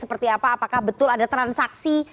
seperti apa apakah betul ada transaksi